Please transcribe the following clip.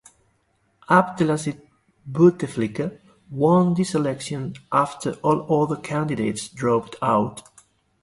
Abdelaziz Bouteflika won this election after all other candidates dropped out.